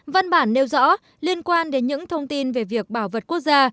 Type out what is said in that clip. văn bản nêu rõ liên quan đến những thông tin về việc bảo vật quốc gia